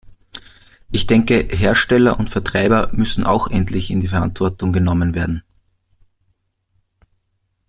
Ich denke, Hersteller und Vertreiber müssen auch endlich in die Verantwortung genommen werden.